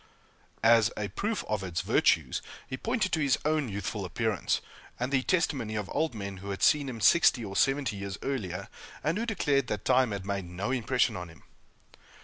As a proof of its virtues, he pointed to his own youthful appearance, and the testimony of old men who had seen him sixty or seventy years earlier, and who declared that time had made no impression on him.